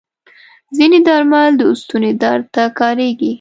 ځینې درمل د ستوني درد ته کارېږي.